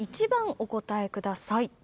１番お答えください。